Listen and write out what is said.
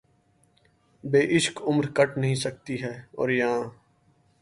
بے عشق عمر کٹ نہیں سکتی ہے‘ اور یاں